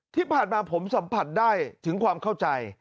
ที่ผ่านมาผมสัมผัสได้ถึงความเข้าใจ